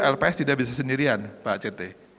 lps tidak bisa sendirian pak cete